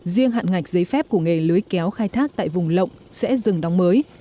riêng hạn ngạch giấy phép của nghề lưới kéo khai thác tại vùng lộng sẽ dừng đóng mới